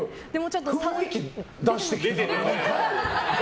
雰囲気出してきた。